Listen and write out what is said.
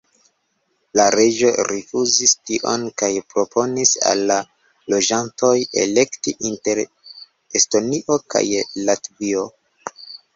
La reĝo rifuzis tion kaj proponis al la loĝantoj elekti inter Estonio kaj Latvio.